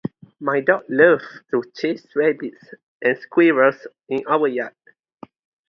My dog loves to chase rabbits and squirrels in our yard.